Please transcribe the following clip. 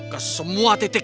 ke semua titik